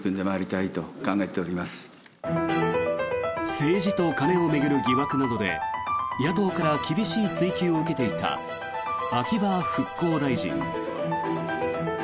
政治と金を巡る疑惑などで野党から厳しい追及を受けていた秋葉復興大臣。